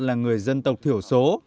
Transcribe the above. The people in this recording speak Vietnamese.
là người dân tộc thiểu số